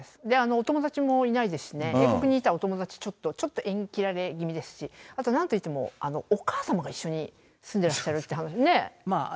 お友達もいないですし、英国にいたらお友達、ちょっと縁切られ気味ですし、あとなんといっても、お母様が一緒に住んでらっしゃるってお話で。